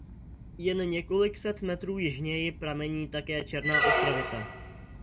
Jen několik set metrů jižněji pramení také Černá Ostravice.